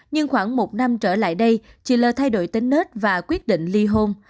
nhưng khoảng một năm trở lại đây chị l thay đổi tính nết và quyết định ly hôn